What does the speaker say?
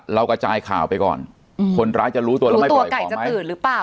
เรากระจายข่าวไปก่อนคนรักจะรู้ตัวเราไม่ปล่อยของไหมรู้ตัวไก่จะตื่นหรือเปล่า